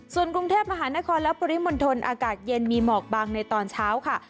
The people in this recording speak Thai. ส่วนกรุงเทพมหานครและปริมณฑลอากาศเย็นมีหมอกบางในตอนเช้าค่ะ